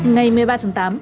ngày một mươi ba tháng tám